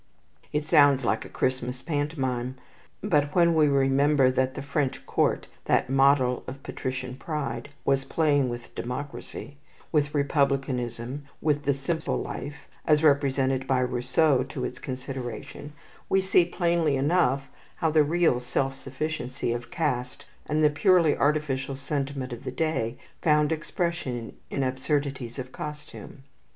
It sounds like a Christmas pantomime; but when we remember that the French court, that model of patrician pride, was playing with democracy, with republicanism, with the simple life, as presented by Rousseau to its consideration, we see plainly enough how the real self sufficiency of caste and the purely artificial sentiment of the day found expression in absurdities of costume.